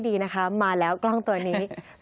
ดีนะคะมาแล้วก็ตอนนี้